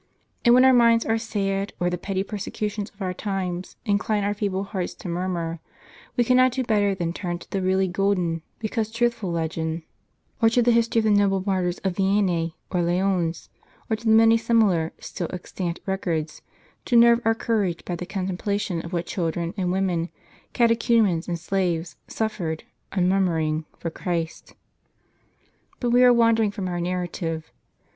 And when our minds are sad, or the petty persecutions of our times incline our feeble hearts to nmrmur, we cannot do better than turn to that really golden, because truthful legend, or to the history of the noble martyrs of Vienne, or Lyons, or to the many similar, still extant records, to nerve our courage, by the contemplation of what children and women, catechumens and slaves, suffered, unmurmuring, for Christ. But we are wandering from our narrative.